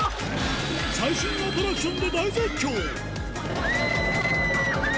最新アトラクションで大絶叫キャ！